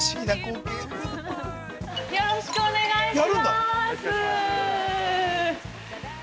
◆よろしくお願いします。